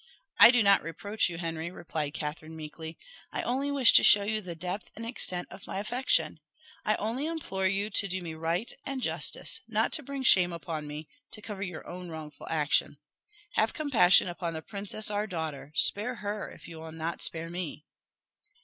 "I do not reproach you, Henry," replied Catherine meekly, "I only wish to show you the depth and extent of my affection. I only implore you to do me right and justice not to bring shame upon me to cover your own wrongful action. Have compassion upon the princess our daughter spare her, if you will not spare me!"